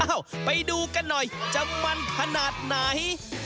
ไปดูกันหน่อยจะมันขนาดไหน